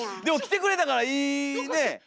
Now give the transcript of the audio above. でも来てくれたからいいね。